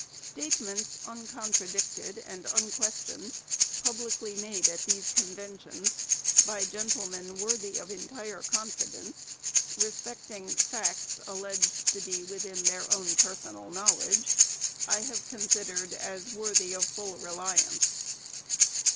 Statements, uncontradicted and unquestioned, publicly made at these conventions, by gentlemen worthy of entire confidence, respecting facts alleged to be within their own personal knowledge, I have considered as worthy of full reliance.